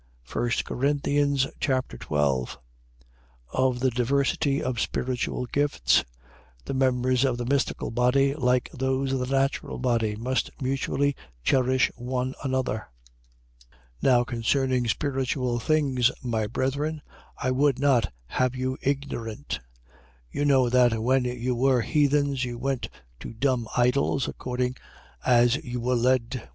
1 Corinthians Chapter 12 Of the diversity of spiritual gifts. The members of the mystical body, like those of the natural body, must mutually cherish one another. 12:1. Now concerning spiritual things, my brethren, I would not have you ignorant. 12:2. You know that when you were heathens, you went to dumb idols, according as you were led.